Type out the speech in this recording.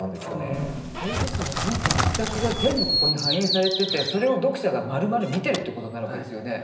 彼自身の人生の思索が全部ここに反映されててそれを読者がまるまる見てるという事になるわけですよね。